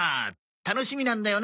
楽しみなんだよな。